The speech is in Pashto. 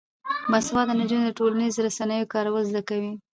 باسواده نجونې د ټولنیزو رسنیو کارول زده کوي.